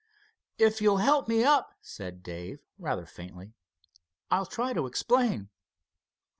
"If you'll help me up," said Dave, rather faintly; "I'll try to explain."